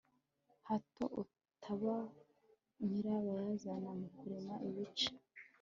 hato utaba nyirabayazana mu kurema ibice